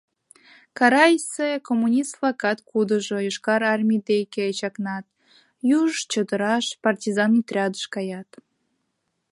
Карайысе коммунист-влакат кудыжо Йошкар Армий дене чакнат, южышт чодыраш, партизан отрядыш каят.